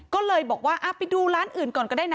ก็เลยบอกว่าไปดูร้านอื่นก่อนก็ได้นะ